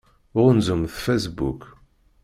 Ɣunzumt Facebook.